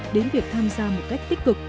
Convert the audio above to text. đến việc tham gia một cách tích cực